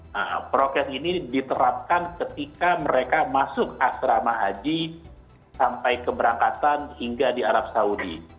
nah prokes ini diterapkan ketika mereka masuk asrama haji sampai keberangkatan hingga di arab saudi